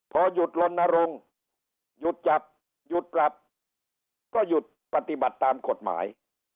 พอหยุดลนรงค์หยุดจับหยุดปรับก็หยุดปฏิบัติตามกฎหมาย